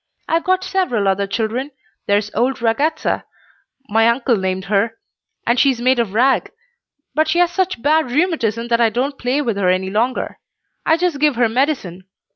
I've got several other children. There's old Ragazza. My uncle named her, and she's made of rag, but she has such bad rheumatism that I don't play with her any longer; I just give her medicine.